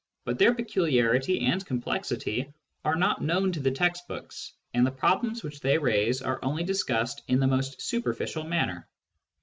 But their peculiarity and complexity are not known to the text books, and the problems which they raise are only discussed in the most superficial manner.